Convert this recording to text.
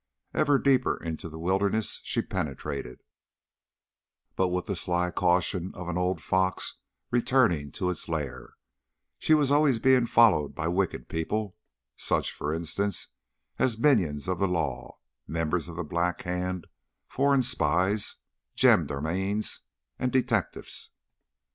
Ever deeper into the wilderness she penetrated, but with the sly caution of an old fox returning to its lair, for she was always being followed by wicked people, such, for instance, as minions of the law, members of the Black Hand, foreign spies, gen darmys, and detectifs.